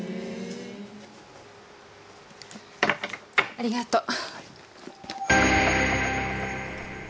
ありがとう。